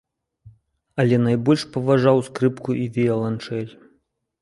Але найбольш паважаў скрыпку і віяланчэль.